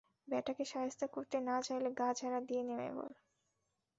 ব্যাটাকে শায়েস্তা করতে চাইলে গা ঝাড়া দিয়ে নেমে পড়ো!